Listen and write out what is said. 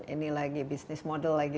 ini lagi bisnis model lagi